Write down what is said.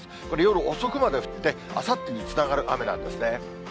これ、夜遅くまで降って、あさってにつながる雨なんですね。